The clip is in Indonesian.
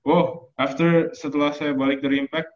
oh after setelah saya balik dari impact